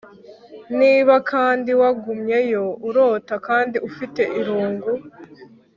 Niba kandi wagumyeyo urota kandi ufite irungu